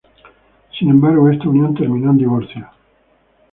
Sin embargo, esta unión terminó en divorcio.